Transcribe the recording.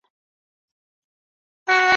چوپ دی نغمه زار د آدم خان او درخانیو